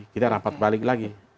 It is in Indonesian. kita rapat balik lagi